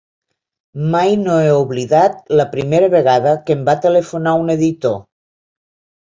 Mai no he oblidat la primera vegada que em va telefonar un editor.